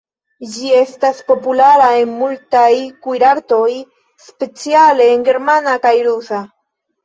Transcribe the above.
Ĝi estas populara en multaj kuirartoj, speciale en germana kaj rusa.